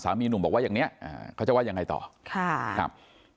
แล้วแม่ก็รู้เลยก็เรียกแม่ไปแม่ไม่ได้รู้เลย